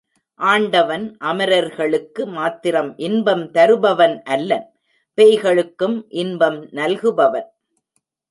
ஆண்டவன் அமரர்களுக்கு மாத்திரம் இன்பம் தருபவன் அல்லன், பேய்களுக்கும் இன்பம் நல்குபவன்.